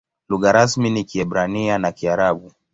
Lugha rasmi ni Kiebrania na Kiarabu.